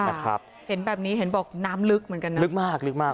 เห็นแบบนี้เห็นบอกน้ำลึกเหมือนกันนะลึกมากลึกมาก